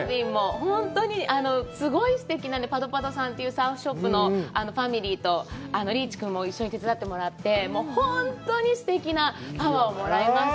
本当にすごいすてきなパドパドさんというサーフショップのファミリーと理一君も一緒に手伝ってくれて、本当にすてきなパワーをもらいました。